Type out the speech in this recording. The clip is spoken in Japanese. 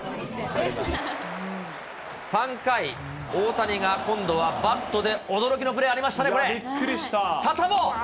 ３回、大谷が今度はバットで驚きのプレー、ありましたね、これ。